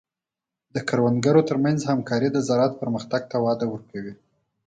د کروندګرو تر منځ همکاري د زراعت پرمختګ ته وده ورکوي.